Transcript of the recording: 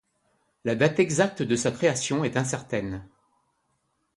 La date exacte de sa création est incertaine.